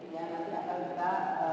nanti akan kita